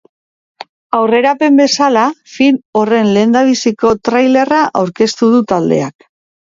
Aurrerapen bezala, film horren lehendabiziko trailerra aurkeztu du taldeak.